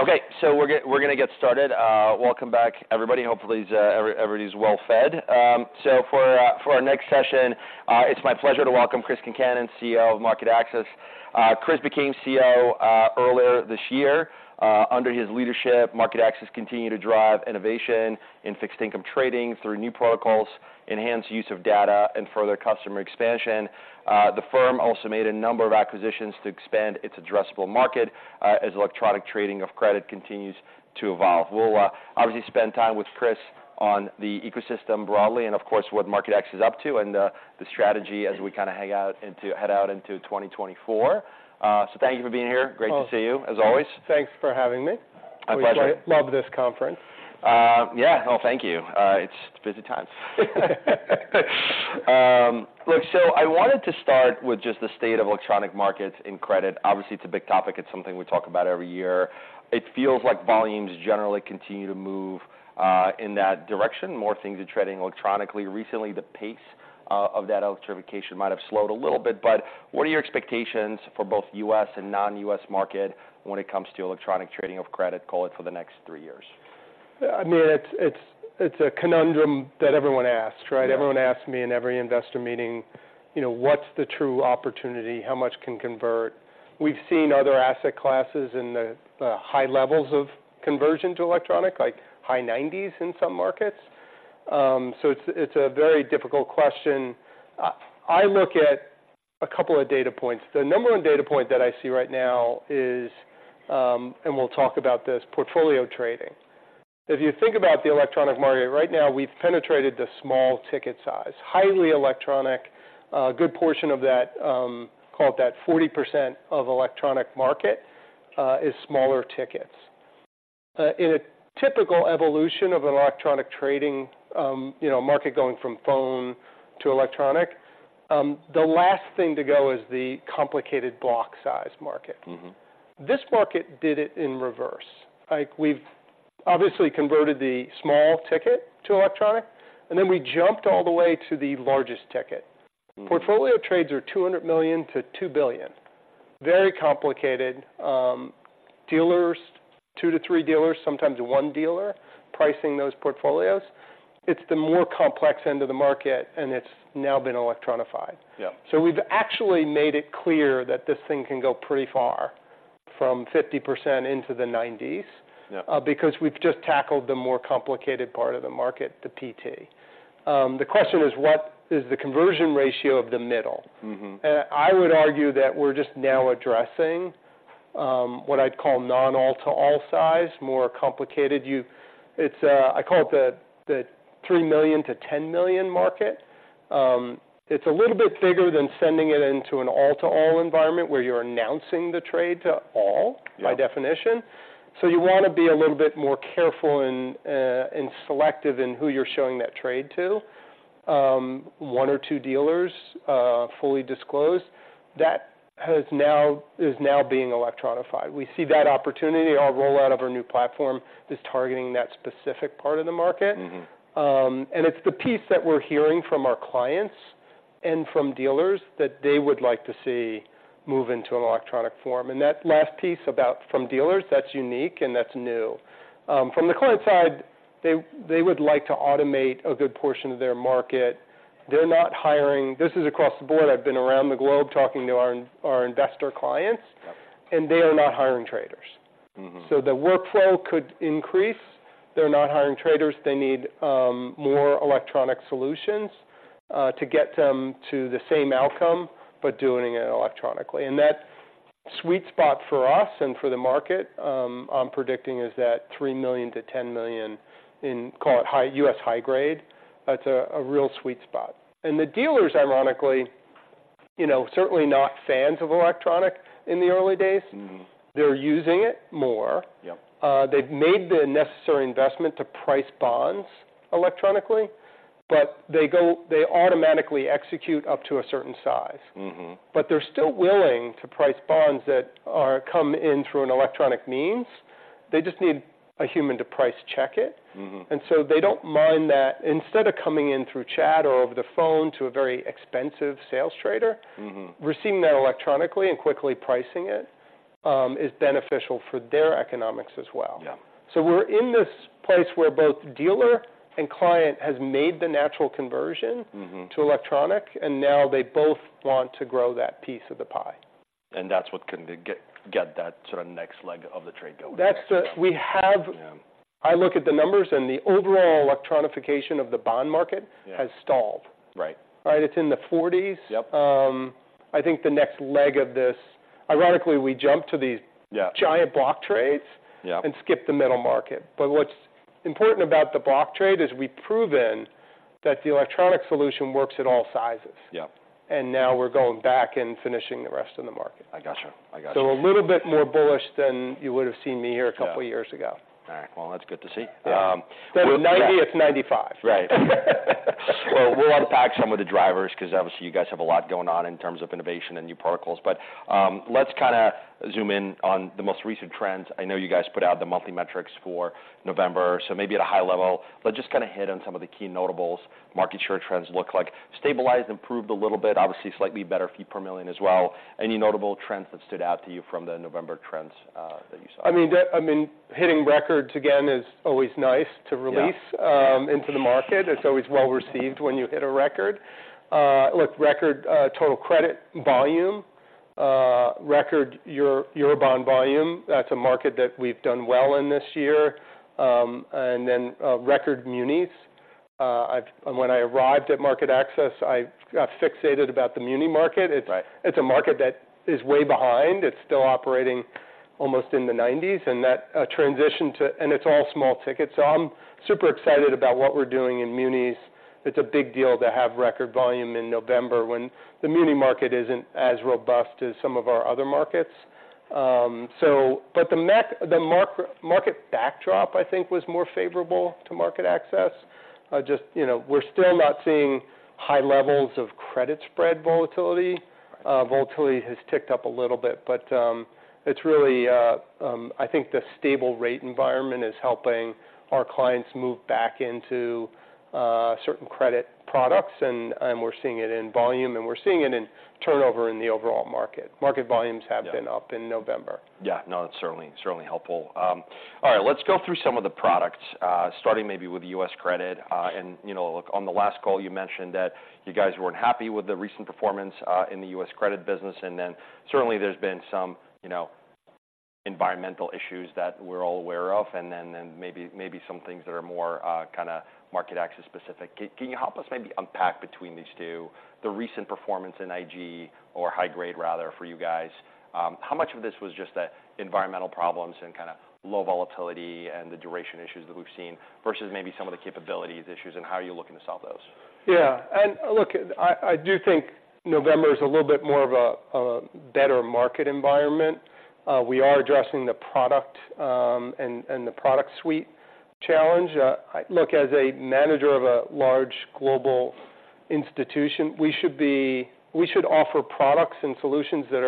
Okay, so we're gonna get started. Welcome back, everybody. Hopefully, everybody's well fed. So for our next session, it's my pleasure to welcome Chris Concannon, CEO of MarketAxess. Chris became CEO earlier this year. Under his leadership, MarketAxess continued to drive innovation in fixed-income trading through new protocols, enhanced use of data, and further customer expansion. The firm also made a number of acquisitions to expand its addressable market as electronic trading of credit continues to evolve. We'll obviously spend time with Chris on the ecosystem broadly, and of course, what MarketAxess is up to, and the strategy as we kind of head out into 2024. So thank you for being here. Oh. Great to see you, as always. Thanks for having me. My pleasure. I love this conference. Yeah. Well, thank you. It's busy times. Look, so I wanted to start with just the state of electronic markets in credit. Obviously, it's a big topic. It's something we talk about every year. It feels like volumes generally continue to move in that direction. More things are trading electronically. Recently, the pace of that electrification might have slowed a little bit, but what are your expectations for both U.S. and non-U.S. market when it comes to electronic trading of credit, call it for the next three years? I mean, it's a conundrum that everyone asks, right? Yeah. Everyone asks me in every investor meeting, you know, what's the true opportunity? How much can convert? We've seen other asset classes in the high levels of conversion to electronic, like high 90%s in some markets. So it's a very difficult question. I look at a couple of data points. The number one data point that I see right now is, and we'll talk about this, portfolio trading. If you think about the electronic market right now, we've penetrated the small ticket size. Highly electronic, a good portion of that, call it that 40% of electronic market, is smaller tickets. In a typical evolution of an electronic trading, you know, market going from phone to electronic, the last thing to go is the complicated block size market. Mm-hmm. This market did it in reverse. Like, we've obviously converted the small ticket to electronic, and then we jumped all the way to the largest ticket. Mm. Portfolio trades are $200 million-$2 billion. Very complicated. Dealers, two to three dealers, sometimes one dealer, pricing those portfolios. It's the more complex end of the market, and it's now been electronified. Yeah. We've actually made it clear that this thing can go pretty far, from 50% into the 90%s. Yeah Because we've just tackled the more complicated part of the market, the PT. The question is, what is the conversion ratio of the middle? Mm-hmm. I would argue that we're just now addressing what I'd call non-all-to-all size, more complicated use. It's I call it the $3 million-$10 million market. It's a little bit bigger than sending it into an all-to-all environment, where you're announcing the trade to all. Yeah By definition, so you wanna be a little bit more careful and selective in who you're showing that trade to. One or two dealers, fully disclosed, that is now being electronified. We see that opportunity. Our rollout of our new platform is targeting that specific part of the market. Mm-hmm. And it's the piece that we're hearing from our clients and from dealers that they would like to see move into an electronic form, and that last piece about from dealers, that's unique and that's new. From the client side, they, they would like to automate a good portion of their market. They're not hiring, this is across the board. I've been around the globe talking to our, our investor clients. Yep And they are not hiring traders. Mm-hmm. The workflow could increase. They're not hiring traders. They need more electronic solutions to get them to the same outcome, but doing it electronically. That sweet spot for us and for the market, I'm predicting, is $3 million-$10 million in, call it, high-U.S. high grade. That's a real sweet spot. The dealers, ironically, you know, certainly not fans of electronic in the early days. Mm-hmm. They're using it more. Yep. They've made the necessary investment to price bonds electronically, but they automatically execute up to a certain size. Mm-hmm. But they're still willing to price bonds that come in through an electronic means. They just need a human to price check it. Mm-hmm. They don't mind that. Instead of coming in through chat or over the phone to a very expensive sales trader. Mm-hmm Receiving that electronically and quickly pricing it, is beneficial for their economics as well. Yeah. So we're in this place where both dealer and client has made the natural conversion. Mm-hmm To electronic, and now they both want to grow that piece of the pie. That's what can get that sort of next leg of the trade going. That's the. We have. Yeah. I look at the numbers, and the overall electronification of the bond market. Yeah Has stalled. Right. All right? It's in the 40%s. Yep. I think the next leg of this. Ironically, we jumped to these. Yeah Giant block trades. Yeah And skipped the middle market. But what's important about the block trade is we've proven that the electronic solution works at all sizes. Yep. Now we're going back and finishing the rest of the market. I gotcha. I gotcha. So a little bit more bullish than you would've seen me here. Yeah A couple years ago. All right. Well, that's good to see. Well, 90%, it's 95%. Right. Well, we'll unpack some of the drivers, 'cause obviously you guys have a lot going on in terms of innovation and new protocols, but, let's kinda zoom in on the most recent trends. I know you guys put out the monthly metrics for November, so maybe at a high level, but just kinda hit on some of the key notables market share trends look like. Stabilized, improved a little bit, obviously slightly better fee per million as well. Any notable trends that stood out to you from the November trends, that you saw? I mean, hitting records again is always nice to release. Yeah Into the market. It's always well-received when you hit a record. Look, record total credit volume, record Eurobond volume. That's a market that we've done well in this year. And then, record munis. And when I arrived at MarketAxess, I got fixated about the muni market. Right. It's a market that is way behind. It's still operating almost in the 1990s, and that transition to. And it's all small tickets. So I'm super excited about what we're doing in munis. It's a big deal to have record volume in November when the muni market isn't as robust as some of our other markets. But the market backdrop, I think, was more favorable to MarketAxess. Just, you know, we're still not seeing high levels of credit spread volatility. Right. Volatility has ticked up a little bit, but it's really, I think the stable rate environment is helping our clients move back into certain credit products, and we're seeing it in volume, and we're seeing it in turnover in the overall market. Market volumes have. Yeah... been up in November. Yeah. No, it's certainly, certainly helpful. All right, let's go through some of the products, starting maybe with the U.S. credit. And, you know, look, on the last call, you mentioned that you guys weren't happy with the recent performance in the U.S. credit business, and then certainly there's been some, you know, environmental issues that we're all aware of, and then, then maybe, maybe some things that are more, kind of MarketAxess-specific. Can you help us maybe unpack between these two, the recent performance in IG or high grade, rather, for you guys? How much of this was just the environmental problems and kind of low volatility and the duration issues that we've seen versus maybe some of the capabilities issues, and how are you looking to solve those? Yeah. And, look, I do think November is a little bit more of a better market environment. We are addressing the product, and the product suite challenge. Look, as a manager of a large global institution, we should offer products and solutions that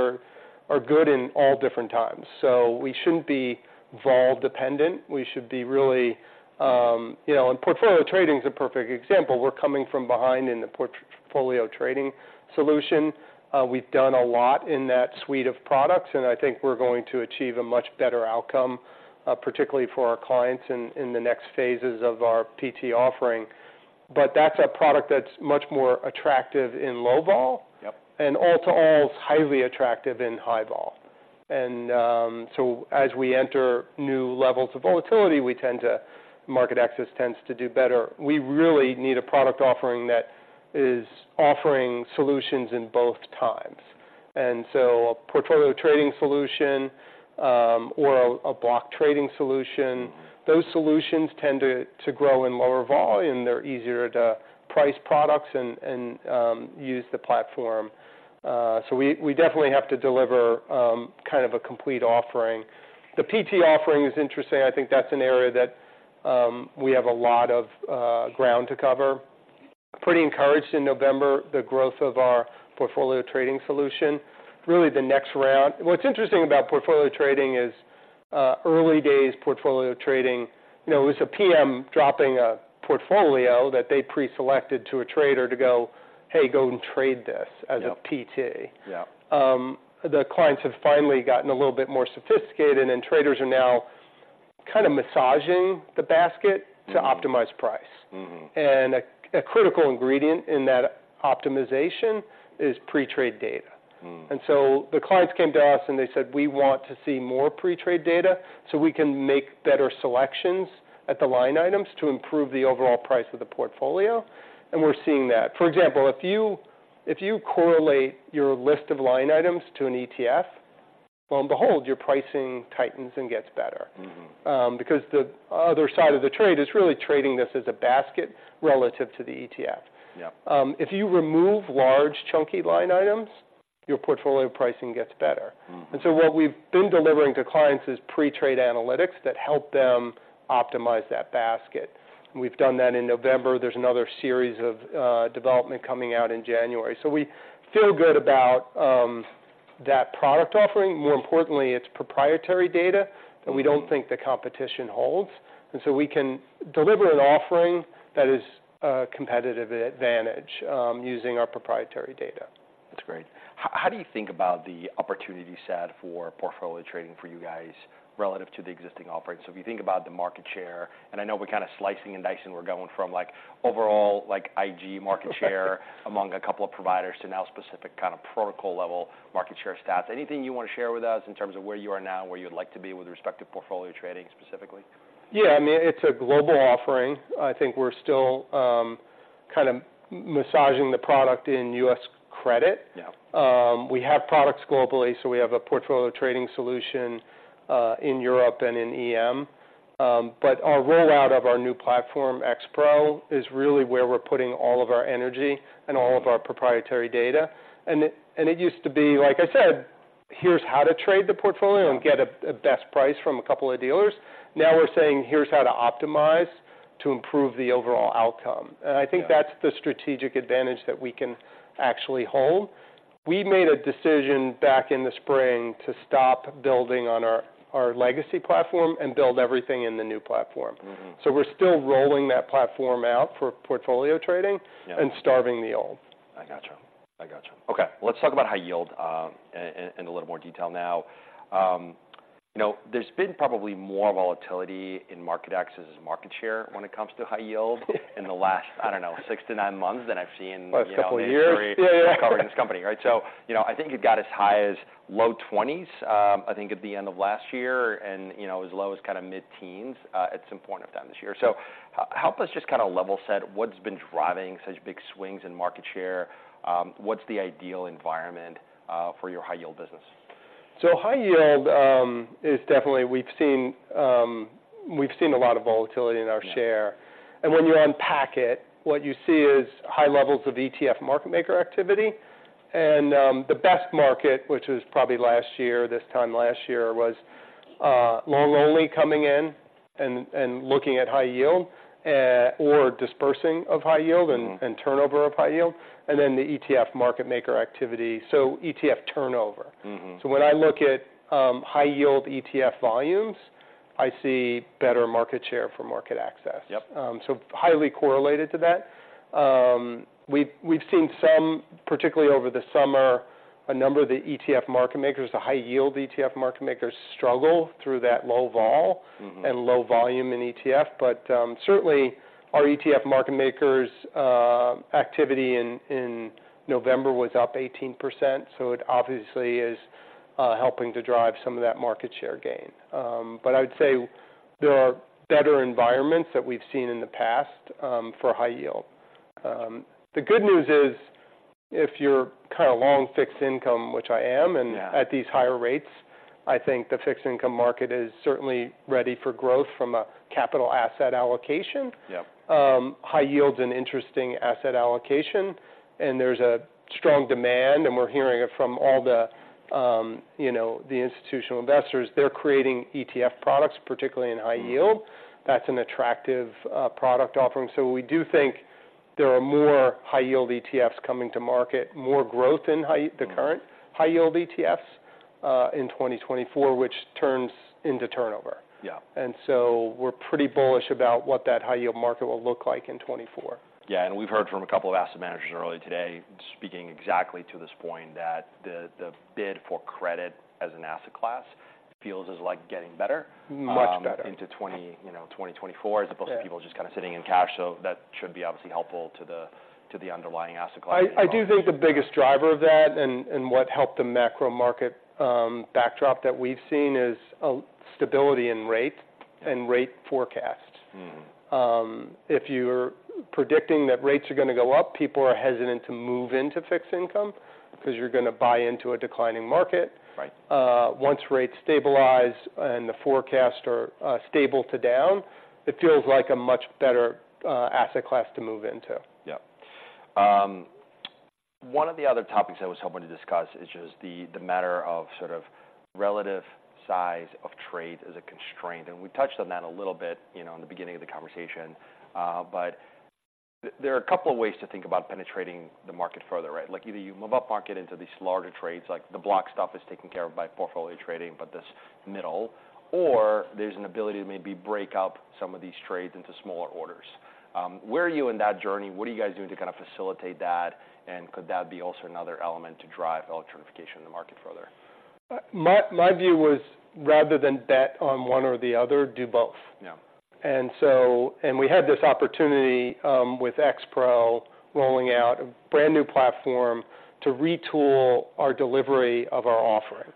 are good in all different times. So we shouldn't be vol dependent. We should be really. You know, and portfolio trading is a perfect example. We're coming from behind in the portfolio trading solution. We've done a lot in that suite of products, and I think we're going to achieve a much better outcome, particularly for our clients in the next phases of our PT offering. But that's a product that's much more attractive in low vol. Yep. All to all, it's highly attractive in high vol. So as we enter new levels of volatility, we tend to, MarketAxess tends to do better. We really need a product offering that is offering solutions in both times. So a portfolio trading solution, or a block trading solution. Mm-hmm. Those solutions tend to grow in lower volume. They're easier to price products and use the platform. So we definitely have to deliver kind of a complete offering. The PT offering is interesting. I think that's an area that we have a lot of ground to cover. Pretty encouraged in November, the growth of our portfolio trading solution, really the next round. What's interesting about portfolio trading is, early days portfolio trading, you know, it was a PM dropping a portfolio that they preselected to a trader to go, hey, go and trade this. Yeah. As a PT. Yeah. The clients have finally gotten a little bit more sophisticated, and traders are now kind of massaging the basket. Mm-hmm To optimize price. Mm-hmm. And a critical ingredient in that optimization is pre-trade data. Mm. The clients came to us, and they said, we want to see more pre-trade data so we can make better selections at the line items to improve the overall price of the portfolio. We're seeing that. For example, if you correlate your list of line items to an ETF, lo and behold. Yeah Your pricing tightens and gets better. Mm-hmm. Because the other side of the trade is really trading this as a basket relative to the ETF. Yeah. If you remove large, chunky line items, your portfolio pricing gets better. Mm. And so what we've been delivering to clients is pre-trade analytics that help them optimize that basket. We've done that in November. There's another series of development coming out in January. So we feel good about that product offering. More importantly, it's proprietary data. Mm That we don't think the competition holds, and so we can deliver an offering that is a competitive advantage, using our proprietary data. That's great. How do you think about the opportunity set for portfolio trading for you guys relative to the existing offering? So if you think about the market share, and I know we're kind of slicing and dicing. We're going from, like, overall, like, IG market share among a couple of providers to now specific kind of protocol-level market share stats. Anything you want to share with us in terms of where you are now and where you'd like to be with respect to portfolio trading specifically? Yeah. I mean, it's a global offering. I think we're still kind of massaging the product in U.S. credit. Yeah. We have products globally, so we have a portfolio trading solution in Europe and in EM. But our rollout of our new platform, X-Pro, is really where we're putting all of our energy. Mm And all of our proprietary data. And it used to be, like I said, here's how to trade the portfolio. Yeah And get a best price from a couple of dealers. Now we're saying: Here's how to optimize to improve the overall outcome. Yeah. I think that's the strategic advantage that we can actually hold. We made a decision back in the spring to stop building on our legacy platform and build everything in the new platform. Mm-hmm. We're still rolling that platform out for portfolio trading. Yeah And starving the old. I gotcha. I gotcha. Okay, let's talk about high yield in a little more detail now. You know, there's been probably more volatility in MarketAxess' market share when it comes to high yield in the last, I don't know, six to nine months than I've seen, you know, in. A couple years. Yeah, yeah Coverage company, right? So, you know, I think you've got as high as low 20%s, I think at the end of last year, and, you know, as low as kind of mid-teens, at some point of time this year. So help us just kind of level set what's been driving such big swings in market share. What's the ideal environment, for your high yield business? High yield is definitely. We've seen a lot of volatility in our share. Yeah. When you unpack it, what you see is high levels of ETF market maker activity. The best market, which was probably last year, this time last year, was long only coming in and looking at high yield or dispersing of high yield. Mm-hmm And turnover of high yield, and then the ETF market maker activity, so ETF turnover. Mm-hmm. When I look at high-yield ETF volumes, I see better market share for MarketAxess. Yep. So highly correlated to that. We've seen some, particularly over the summer, a number of the ETF market makers, the high yield ETF market makers, struggle through that low volume. Mm-hmm And low volume in ETF. But, certainly, our ETF market makers activity in November was up 18%, so it obviously is helping to drive some of that market share gain. But I'd say there are better environments that we've seen in the past for high yield. The good news is, if you're kind of long fixed income, which I am, and. Yeah At these higher rates, I think the fixed income market is certainly ready for growth from a capital asset allocation. Yep. High yield is an interesting asset allocation, and there's a strong demand, and we're hearing it from all the, you know, the institutional investors. They're creating ETF products, particularly in high yield. Mm-hmm. That's an attractive product offering. So we do think there are more high yield ETFs coming to market, more growth in high. Mm-hmm The current high-yield ETFs in 2024, which turns into turnover. Yeah. We're pretty bullish about what that high-yield market will look like in 2024. Yeah, and we've heard from a couple of asset managers earlier today, speaking exactly to this point, that the, the bid for credit as an asset class feels as like getting better. Much better Into 2020, you know, 2024, as opposed. Yeah To people just kind of sitting in cash. So that should be obviously helpful to the underlying asset class. I do think the biggest driver of that, and what helped the macro market backdrop that we've seen, is stability in rate and rate forecast. Mm-hmm. If you're predicting that rates are gonna go up, people are hesitant to move into fixed income, because you're gonna buy into a declining market. Right. Once rates stabilize and the forecast are stable to down, it feels like a much better asset class to move into. Yeah. One of the other topics I was hoping to discuss is just the matter of sort of relative size of trade as a constraint, and we touched on that a little bit, you know, in the beginning of the conversation. But there are a couple of ways to think about penetrating the market further, right? Like, either you move up market into these larger trades, like the block stuff is taken care of by portfolio trading, but this middle, or there's an ability to maybe break up some of these trades into smaller orders. Where are you in that journey? What are you guys doing to kind of facilitate that? And could that be also another element to drive electrification in the market further? My view was, rather than bet on one or the other, do both. Yeah. We had this opportunity, with X-Pro rolling out a brand-new platform to retool our delivery of our offering.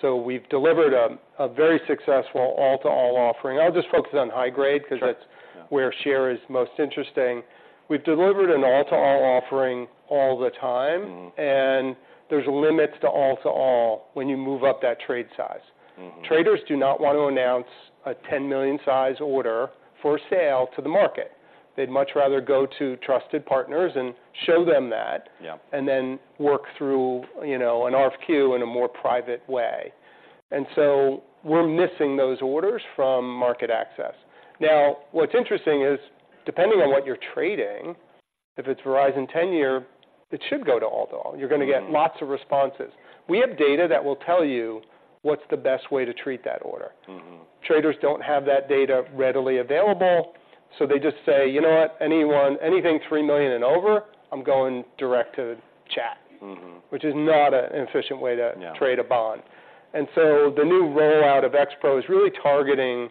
So we've delivered a very successful all-to-all offering. I'll just focus on high grade. Sure Because that's where share is most interesting. We've delivered an all-to-all offering all the time. Mm-hmm. There's limits to all-to-all when you move up that trade size. Mm-hmm. Traders do not want to announce a $10 million size order for sale to the market. They'd much rather go to trusted partners and show them that. Yeah And then work through, you know, an RFQ in a more private way. And so we're missing those orders from MarketAxess. Now, what's interesting is, depending on what you're trading, if it's Verizon 10-year, it should go to all-to-all. Mm-hmm. You're gonna get lots of responses. We have data that will tell you what's the best way to treat that order. Mm-hmm. Traders don't have that data readily available, so they just say, you know what? Anything $3 million and over, I'm going direct to chat. Mm-hmm Which is not an efficient way to. Yeah Trade a bond. And so the new rollout of X-Pro is really targeting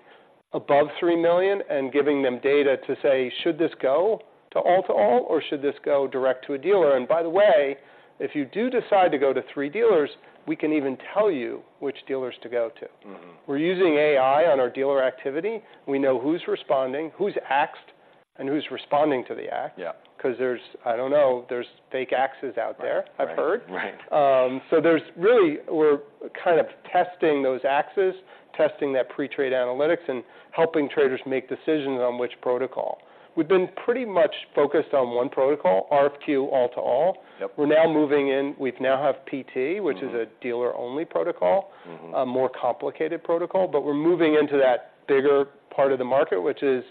above 3 million and giving them data to say, should this go to All-to-all, or should this go direct to a dealer? And by the way, if you do decide to go to three dealers, we can even tell you which dealers to go to. Mm-hmm. We're using AI on our dealer activity. We know who's responding, who's axed, and who's responding to the ax. Yeah. 'Cause there's, I don't know, there's fake axes out there. Right I've heard. Right. So, there's really, we're kind of testing those axes, testing that pre-trade analytics, and helping traders make decisions on which protocol. We've been pretty much focused on one protocol, RFQ all-to-all. Yep. We now have PT. Mm-hmm Which is a dealer-only protocol. Mm-hmm. A more complicated protocol, but we're moving into that bigger part of the market, which is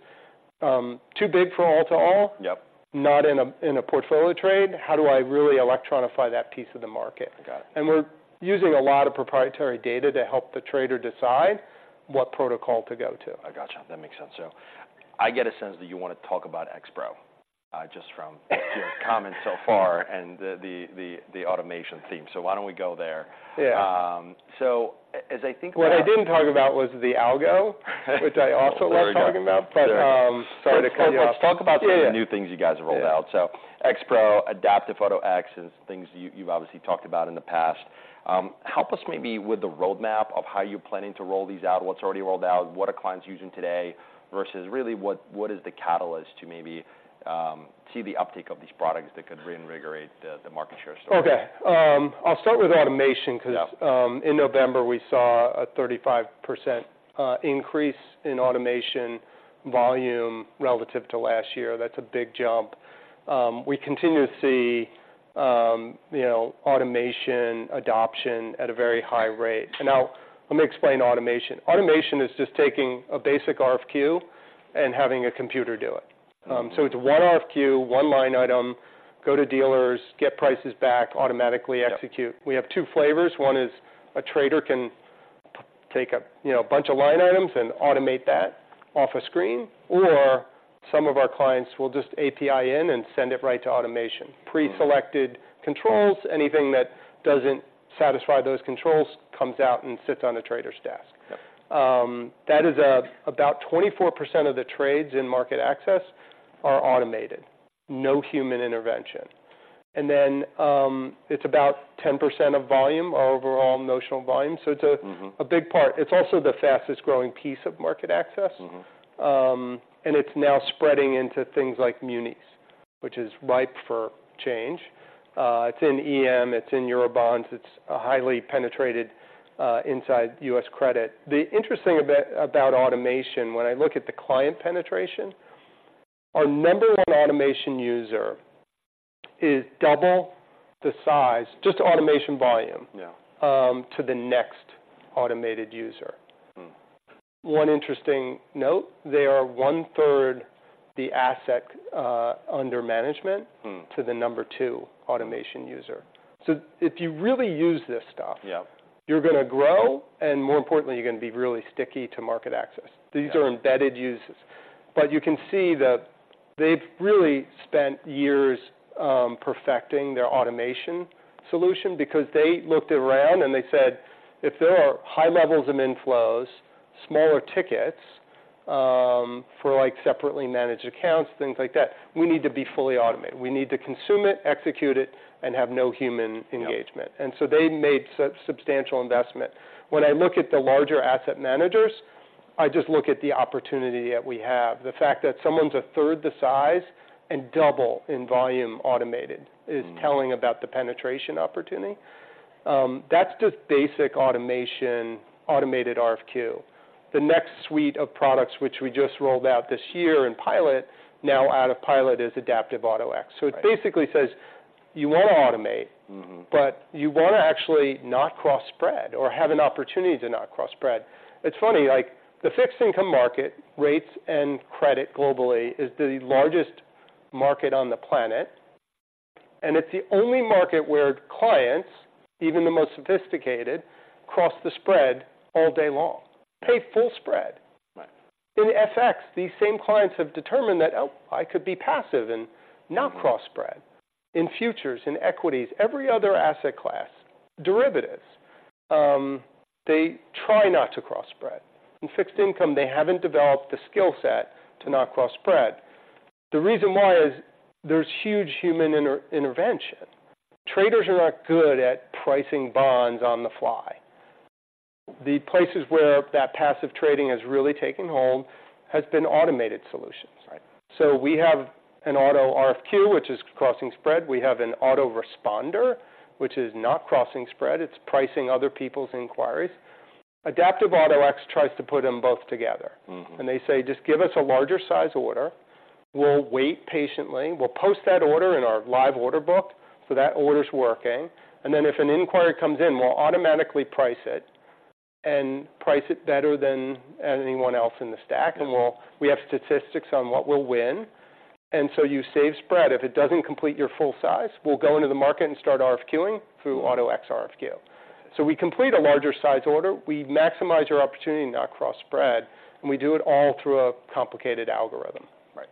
too big for all-to-all. Yep Not in a portfolio trade. How do I really electronify that piece of the market? Got it. We're using a lot of proprietary data to help the trader decide what protocol to go to. I got you. That makes sense. So I get a sense that you want to talk about X-Pro, just from your comments so far and the automation theme. So why don't we go there? Yeah. So as I think about. What I didn't talk about was the algo, which I also love to talk about. There we go. But, sorry to cut you off. Let's talk about. Yeah Some of the new things you guys have rolled out. Yeah. So X-Pro, Adaptive Auto-X, is things you, you've obviously talked about in the past. Help us maybe with the roadmap of how you're planning to roll these out, what's already rolled out, what are clients using today, versus really, what, what is the catalyst to maybe, see the uptick of these products that could reinvigorate the, the market share story? Okay. I'll start with automation. Yeah Because in November, we saw a 35% increase in automation volume relative to last year. That's a big jump. We continue to see, you know, automation adoption at a very high rate. And now, let me explain automation. Automation is just taking a basic RFQ and having a computer do it. Mm. So it's one RFQ, one line item, go to dealers, get prices back, automatically execute. Yeah. We have two flavors. One is a trader can take a, you know, bunch of line items and automate that off a screen, or some of our clients will just API in and send it right to automation. Mm. Pre-selected controls, anything that doesn't satisfy those controls, comes out and sits on the trader's desk. Yep. That is, about 24% of the trades in MarketAxess are automated, no human intervention. And then, it's about 10% of volume, our overall notional volume, so it's a. Mm-hmm A big part. It's also the fastest growing piece of market access. Mm-hmm. And it's now spreading into things like munis, which is ripe for change. It's in EM, it's in Eurobonds, it's highly penetrated inside U.S. credit. The interesting bit about automation, when I look at the client penetration, our number one automation user is double the size, just automation volume. Yeah To the next automated user. Mm. One interesting note, they are 1/3 the asset under management. Mm To the number two automation user. So if you really use this stuff. Yeah You're going to grow, and more importantly, you're going to be really sticky to MarketAxess. Yeah. These are embedded users. But you can see that they've really spent years, perfecting their automation solution because they looked around, and they said, if there are high levels of inflows, smaller tickets, for, like, separately managed accounts, things like that, we need to be fully automated. We need to consume it, execute it, and have no human engagement. Yeah. And so they made substantial investment. When I look at the larger asset managers, I just look at the opportunity that we have. The fact that someone's a third the size and double in volume automated. Mm Is telling about the penetration opportunity. That's just basic automation, automated RFQ. The next suite of products, which we just rolled out this year in pilot, now out of pilot, is Adaptive Auto-X. Right. It basically says, you want to automate. Mm-hmm But you want to actually not cross spread or have an opportunity to not cross spread. It's funny, like, the fixed income market, rates and credit globally, is the largest market on the planet, and it's the only market where clients, even the most sophisticated, cross the spread all day long. Pay full spread. Right. In FX, these same clients have determined that, oh, I could be passive and. Mm-hmm Not cross spread. In futures, in equities, every other asset class, derivatives, they try not to cross spread. In fixed income, they haven't developed the skill set to not cross spread. The reason why is, there's huge human intervention. Traders are not good at pricing bonds on the fly. The places where that passive trading has really taken hold has been automated solutions. Right. We have an Auto RFQ, which is crossing spread. We have an auto responder, which is not crossing spread, it's pricing other people's inquiries. Adaptive Auto-X tries to put them both together. Mm-hmm. And they say, just give us a larger size order. We'll wait patiently. We'll post that order in our live order book, so that order's working, and then if an inquiry comes in, we'll automatically price it and price it better than anyone else in the stack. Mm. We'll have statistics on what we'll win, and so you save spread. If it doesn't complete your full size, we'll go into the market and start RFQing through Auto-X RFQ. We complete a larger size order, we maximize your opportunity not to cross spread, and we do it all through a complicated algorithm. Right.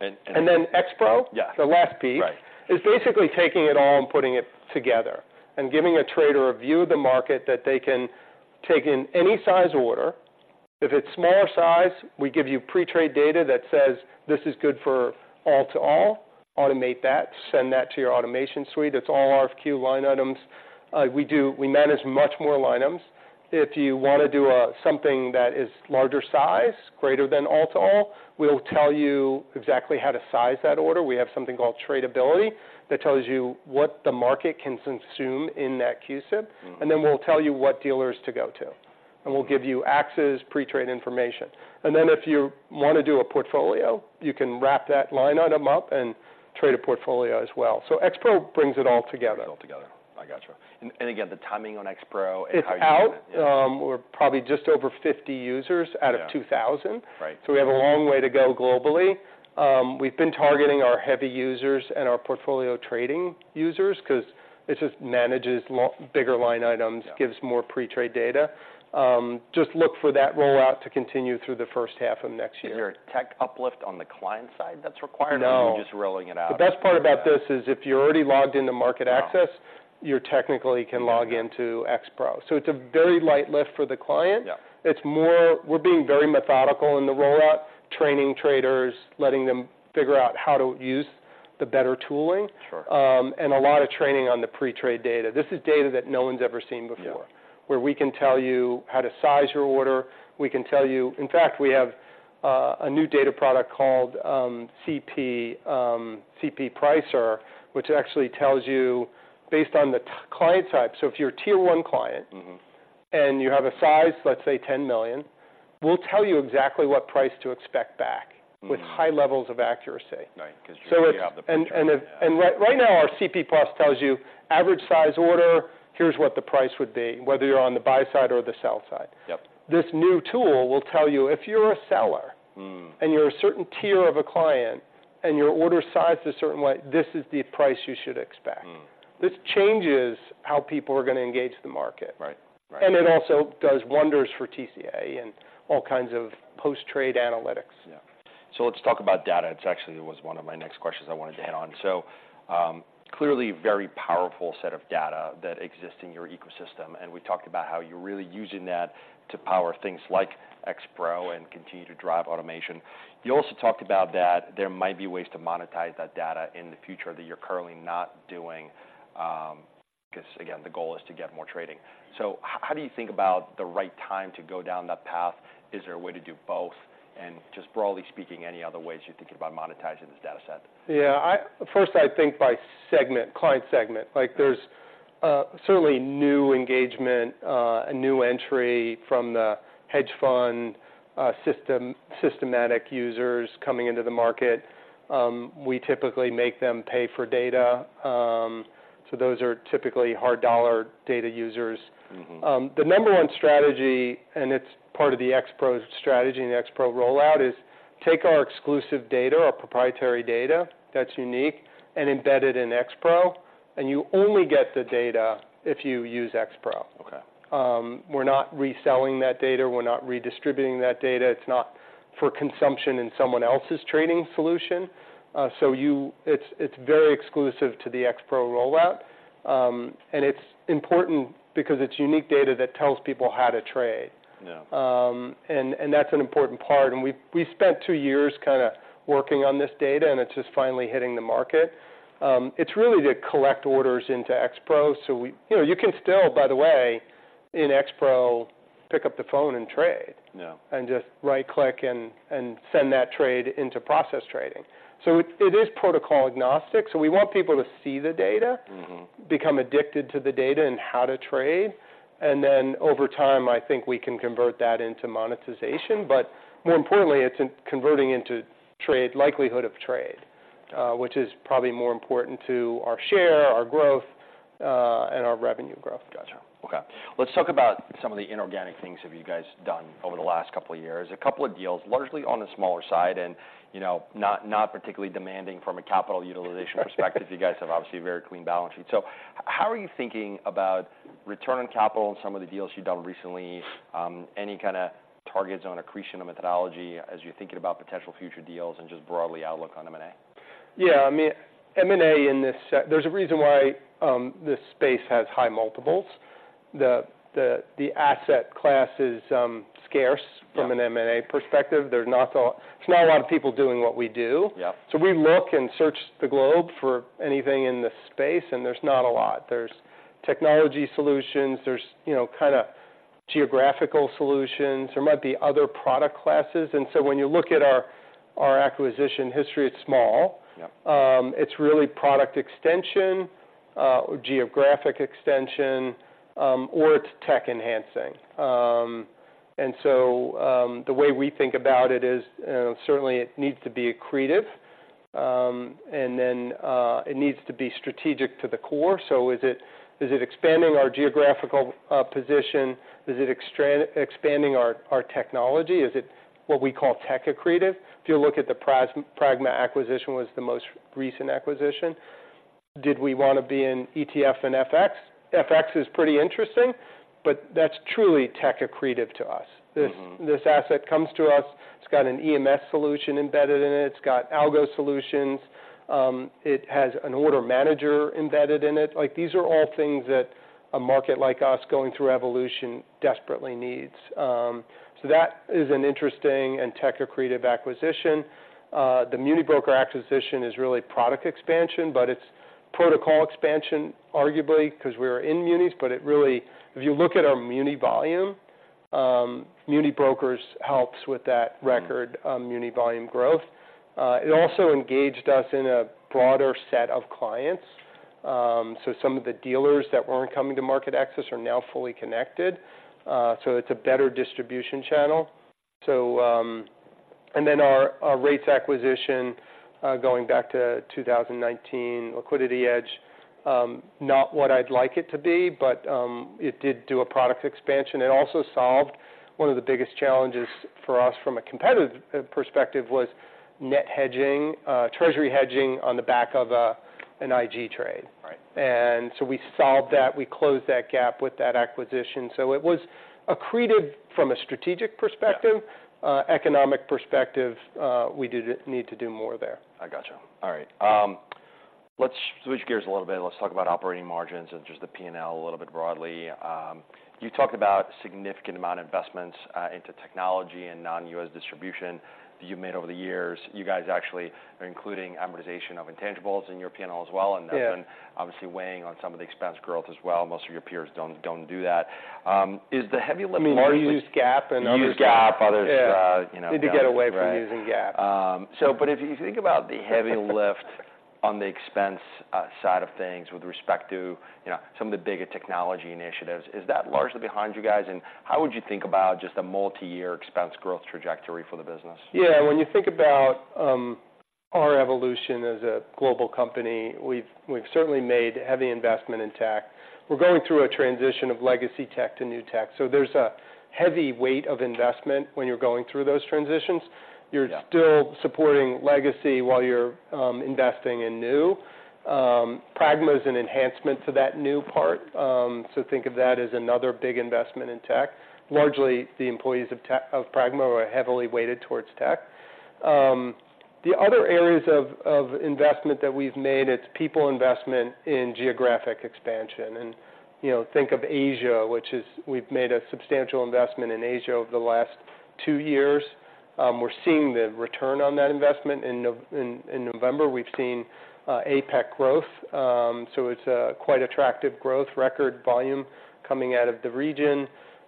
And, And then X-Pro. Yeah The last piece. Right Is basically taking it all and putting it together, and giving a trader a view of the market, that they can take in any size order. If it's smaller size, we give you pre-trade data that says, this is good for all to all. Automate that, send that to your automation suite. It's all RFQ line items. We manage much more line items. If you want to do something that is larger size, greater than all to all, we'll tell you exactly how to size that order. We have something called tradability, that tells you what the market can consume in that CUSIP. Mm. Then we'll tell you what dealers to go to, and we'll give you Axess pre-trade information. Then, if you want to do a portfolio, you can wrap that line item up and trade a portfolio as well. X-Pro brings it all together. All together, I got you. And, and again, the timing on X-Pro and how you, It's out. Yeah. We're probably just over 50 users, Yeah Out of 2,000. Right. We have a long way to go globally. We've been targeting our heavy users and our portfolio trading users, 'cause it just manages bigger line items, Yeah Gives more pre-trade data. Just look for that rollout to continue through the first half of next year. Is there a tech uplift on the client side that's required? No. Or are you just rolling it out? The best part about this is if you're already logged into MarketAxess, Wow You technically can log into X-Pro. Yeah. It's a very light lift for the client. Yeah. We're being very methodical in the rollout, training traders, letting them figure out how to use the better tooling. Sure. A lot of training on the pre-trade data. This is data that no one's ever seen before. Yeah. Where we can tell you how to size your order, we can tell you, in fact, we have a new data product called CP Pricer, which actually tells you, based on the client type, so if you're a Tier 1 client, Mm-hmm And you have a size, let's say, $10 million, we'll tell you exactly what price to expect back, Mm With high levels of accuracy. Right. 'Cause you, you have the picture. Yeah. Right now, our CP+ tells you, average size order, here's what the price would be, whether you're on the buy side or the sell side. Yep. This new tool will tell you, if you're a seller, Mm And you're a certain tier of a client, and your order size is a certain way, this is the price you should expect. Mm. This changes how people are gonna engage the market. Right. Right. It also does wonders for TCA and all kinds of post-trade analytics. Yeah. So let's talk about data. It's actually it was one of my next questions I wanted to hit on. So, clearly, a very powerful set of data that exists in your ecosystem, and we talked about how you're really using that to power things like X-Pro and continue to drive automation. You also talked about that there might be ways to monetize that data in the future that you're currently not doing, because, again, the goal is to get more trading. So how do you think about the right time to go down that path? Is there a way to do both? And just broadly speaking, any other ways you're thinking about monetizing this data set? Yeah. First, I think by segment, client segment. Like, there's certainly new engagement, a new entry from the hedge fund, systematic users coming into the market. We typically make them pay for data. So those are typically hard dollar data users. Mm-hmm. The number one strategy, and it's part of the X-Pro strategy and the X-Pro rollout, is take our exclusive data, our proprietary data, that's unique, and embed it in X-Pro, and you only get the data if you use X-Pro. Okay. We're not reselling that data. We're not redistributing that data. It's not for consumption in someone else's trading solution. It's very exclusive to the X-Pro rollout. And it's important because it's unique data that tells people how to trade. Yeah. And that's an important part, and we spent two years kind of working on this data, and it's just finally hitting the market. It's really to collect orders into X-Pro, so we, you know, you can still, by the way, in X-Pro, pick up the phone and trade, Yeah And just right-click and send that trade into process trading. So it is protocol agnostic, so we want people to see the data, Mm-hmm Become addicted to the data and how to trade, and then over time, I think we can convert that into monetization. But more importantly, it's in converting into trade, likelihood of trade, which is probably more important to our share, our growth, and our revenue growth. Gotcha. Okay. Let's talk about some of the inorganic things that you guys have done over the last couple of years. A couple of deals, largely on the smaller side and, you know, not particularly demanding from a capital utilization perspective. You guys have obviously a very clean balance sheet. So how are you thinking about return on capital and some of the deals you've done recently? Any kind of targets on accretion of methodology as you're thinking about potential future deals and just broadly outlook on M&A? Yeah, I mean, there's a reason why this space has high multiples. The asset class is scarce, Yeah From an M&A perspective. There's not a lot of people doing what we do. Yeah. So we look and search the globe for anything in this space, and there's not a lot. There's technology solutions, there's, you know, kind of geographical solutions, there might be other product classes. And so when you look at our, our acquisition history, it's small. Yeah. It's really product extension, geographic extension, or it's tech enhancing. And so, the way we think about it is, certainly it needs to be accretive, and then, it needs to be strategic to the core. So is it, is it expanding our geographical position? Is it expanding our, our technology? Is it what we call tech accretive? If you look at the Pragma acquisition was the most recent acquisition. Did we want to be in ETF and FX? FX is pretty interesting, but that's truly tech accretive to us. Mm-hmm. This asset comes to us, it's got an EMS solution embedded in it, it's got algo solutions, it has an order manager embedded in it. Like, these are all things that a market like us, going through evolution, desperately needs. So that is an interesting and tech accretive acquisition. The MuniBrokers acquisition is really product expansion, but it's protocol expansion, arguably, because we're in munis, but it really... If you look at our muni volume, MuniBrokers helps with that record, Mm Muni volume growth. It also engaged us in a broader set of clients. So some of the dealers that weren't coming to MarketAxess are now fully connected. So it's a better distribution channel. And then our rates acquisition, going back to 2019, LiquidityEdge, not what I'd like it to be, but it did do a product expansion. It also solved one of the biggest challenges for us from a competitive perspective, was net hedging, treasury hedging on the back of an IG trade. Right. We solved that. We closed that gap with that acquisition. It was accreted from a strategic perspective. Yeah. Economic perspective, we did need to do more there. I got you. All right. Let's switch gears a little bit, and let's talk about operating margins and just the P&L a little bit broadly. You talked about significant amount of investments into technology and non-U.S. distribution that you've made over the years. You guys actually are including amortization of intangibles in your P&L as well, Yeah And that's been obviously weighing on some of the expense growth as well. Most of your peers don't, don't do that. Is the heavy lifting, I mean, we use GAAP and others, You use GAAP, others, Yeah You know. Need to get away from using GAAP. But if you think about the heavy lift on the expense side of things with respect to, you know, some of the bigger technology initiatives, is that largely behind you guys? And how would you think about just a multi-year expense growth trajectory for the business? Yeah, when you think about our evolution as a global company, we've certainly made heavy investment in tech. We're going through a transition of legacy tech to new tech, so there's a heavy weight of investment when you're going through those transitions. Yeah. You're still supporting legacy while you're investing in new. So think of that as another big investment in tech. Mm-hmm. Largely, the employees of Pragma are heavily weighted towards tech. The other areas of investment that we've made, it's people investment in geographic expansion. And, you know, think of Asia, which is, we've made a substantial investment in Asia over the last two years. We're seeing the return on that investment. In November, we've seen APAC growth. So it's a quite attractive growth record volume coming out of the region.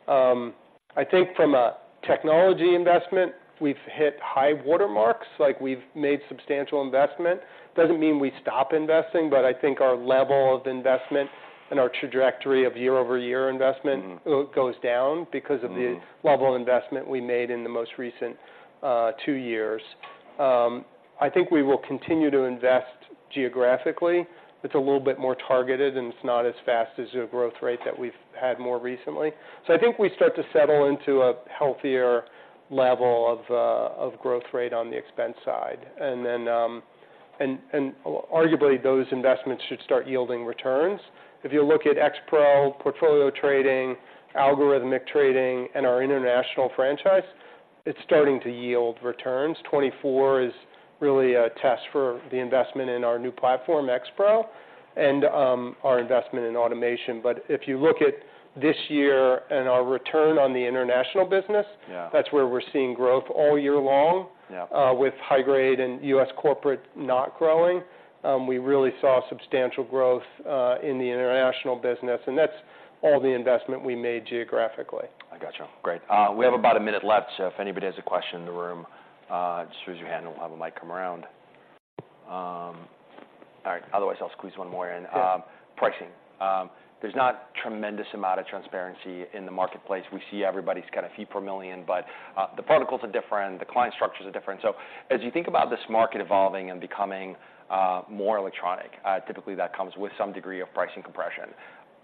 I think from a technology investment, we've hit high water marks, like, we've made substantial investment. Doesn't mean we stop investing, but I think our level of investment and our trajectory of year-over-year investment, Mm-hmm Goes down because of the, Mm-hmm Level of investment we made in the most recent two years. I think we will continue to invest geographically. It's a little bit more targeted, and it's not as fast as the growth rate that we've had more recently. So I think we start to settle into a healthier level of growth rate on the expense side. And then, arguably, those investments should start yielding returns. If you look at X-Pro, portfolio trading, algorithmic trading, and our international franchise, it's starting to yield returns. 2024 is really a test for the investment in our new platform, X-Pro, and our investment in automation. But if you look at this year and our return on the international business, Yeah That's where we're seeing growth all year long. Yeah. With high grade and U.S. corporate not growing, we really saw substantial growth in the international business, and that's all the investment we made geographically. I got you. Great. We have about a minute left, so if anybody has a question in the room, just raise your hand and we'll have a mic come around. All right, otherwise, I'll squeeze one more in. Yeah. Pricing. There's not tremendous amount of transparency in the marketplace. We see everybody's got a fee per million, but the protocols are different, the client structures are different. So as you think about this market evolving and becoming more electronic, typically, that comes with some degree of pricing compression.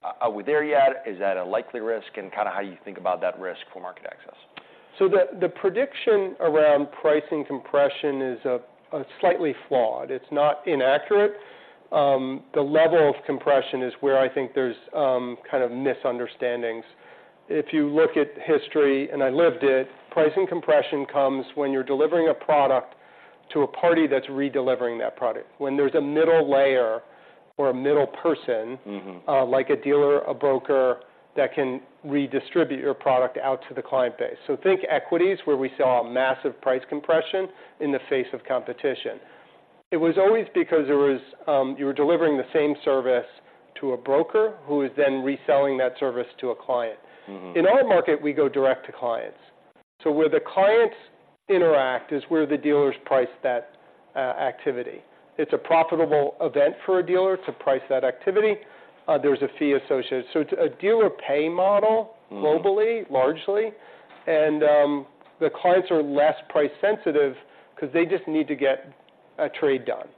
Are, are we there yet? Is that a likely risk, and kind of how you think about that risk for MarketAxess? So the prediction around pricing compression is a slightly flawed. It's not inaccurate. The level of compression is where I think there's kind of misunderstandings. If you look at history, and I lived it, pricing compression comes when you're delivering a product to a party that's redelivering that product, when there's a middle layer or a middle person, Mm-hmm Like a dealer, a broker, that can redistribute your product out to the client base. So think equities, where we saw a massive price compression in the face of competition. It was always because there was, you were delivering the same service to a broker, who is then reselling that service to a client. Mm-hmm. In our market, we go direct to clients. So where the clients interact is where the dealers price that activity. It's a profitable event for a dealer to price that activity. There's a fee associated. So it's a dealer pay model, Mm Globally, largely, and the clients are less price sensitive because they just need to get a trade done.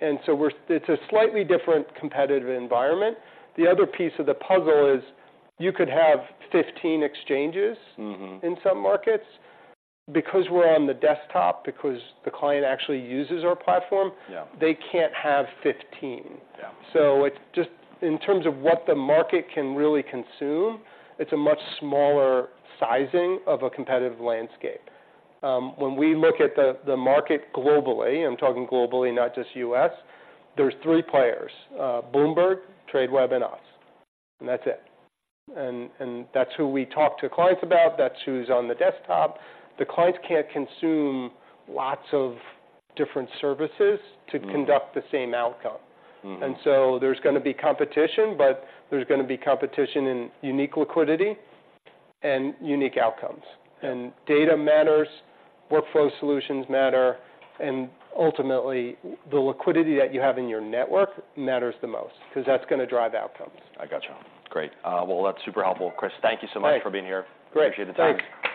And so it's a slightly different competitive environment. The other piece of the puzzle is, you could have 15 exchanges, Mm-hmm In some markets. Because we're on the desktop, because the client actually uses our platform, Yeah They can't have 15. Yeah. So it in terms of what the market can really consume, it's a much smaller sizing of a competitive landscape. When we look at the market globally, I'm talking globally, not just U.S., there's three players: Bloomberg, Tradeweb, and us, and that's it. And that's who we talk to clients about, that's who's on the desktop. The clients can't consume lots of different services, Mm To conduct the same outcome. Mm-hmm. There's gonna be competition, but there's gonna be competition in unique liquidity and unique outcomes. Data matters, workflow solutions matter, and ultimately, the liquidity that you have in your network matters the most, because that's gonna drive outcomes. I got you. Great. Well, that's super helpful. Chris, thank you so much. Great For being here. Great. Appreciate the time.